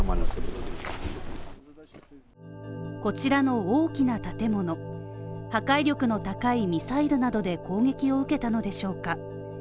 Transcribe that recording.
こちらの大きな建物、破壊力の高いミサイルなどで攻撃を受けたのでしょうか。